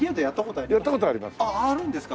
あああるんですか。